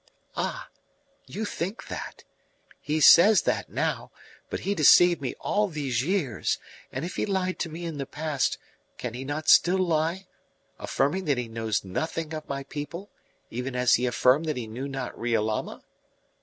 "Ah, you think that! He says that now; but he deceived me all these years, and if he lied to me in the past, can he not still lie, affirming that he knows nothing of my people, even as he affirmed that he knew not Riolama?"